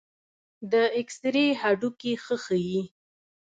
د ایکسرې هډوکي ښه ښيي.